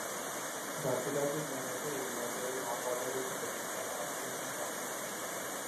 Basirhat is one of the areas where ground water is affected by arsenic contamination.